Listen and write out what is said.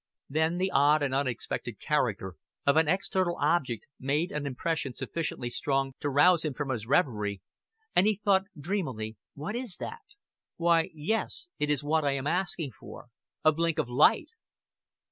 Then the odd and unexpected character of an external object made an impression sufficiently strong to rouse him from his reverie, and he thought dreamily: "What is that? Why, yes, it is what I was asking for a blink of light."